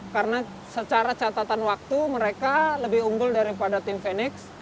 karena secara catatan waktu mereka lebih unggul daripada tim fenix